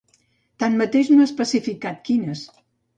Tanmateix, no ha especificat quines.